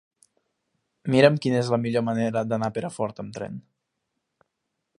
Mira'm quina és la millor manera d'anar a Perafort amb tren.